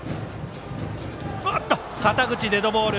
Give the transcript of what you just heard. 肩口、デッドボール。